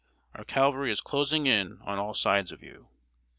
Our cavalry is closing in on all sides of you."